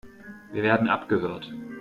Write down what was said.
Wir werden abgehört.